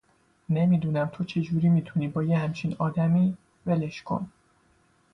نمی دونم تو چه جوری می تونی با یه همچین آدمی، ولش کن